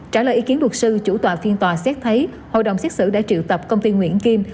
trả lời ý kiến luật sư chủ tòa phiên tòa xét thấy hội đồng xét xử đã triệu tập công ty nguyễn kim